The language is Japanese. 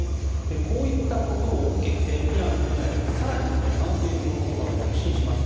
こういったことを受けてイラン国内では更に反米強硬派が躍進します。